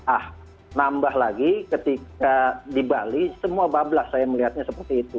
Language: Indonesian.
ah nambah lagi ketika di bali semua bablas saya melihatnya seperti itu